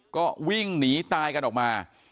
ก็วิ่งหนีตายกันออกมา